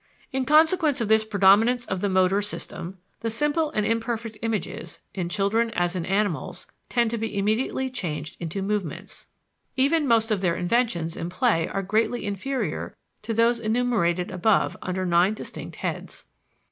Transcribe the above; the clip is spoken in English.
In consequence of this predominance of the motor system, the simple and imperfect images, in children as in animals, tend to be immediately changed into movements. Even most of their inventions in play are greatly inferior to those enumerated above under nine distinct heads.